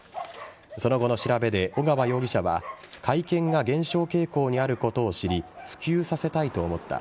その後の調べで、尾川容疑者は甲斐犬が減少傾向にあることを知り普及させたいと思った。